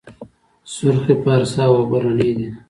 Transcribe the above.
سرخ پارسا اوبه رڼې دي؟